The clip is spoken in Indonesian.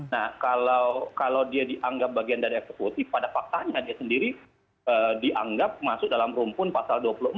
nah kalau dia dianggap bagian dari eksekutif pada faktanya dia sendiri dianggap masuk dalam rumpun pasal dua puluh empat